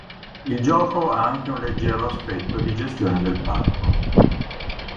Il gioco ha anche un leggero aspetto di gestione del parco.